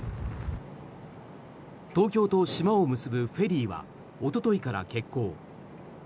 東京と島を結ぶフェリーはおとといから欠航。